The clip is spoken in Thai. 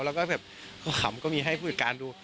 เราก็แบบเขาขำก็มีให้ผู้จัดการดู